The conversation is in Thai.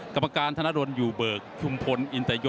ฟายแดงพญาหลวงฟุกบะหมี่เกี๊ยว